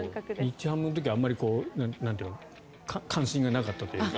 日ハムの時はあまり関心がなかったというか。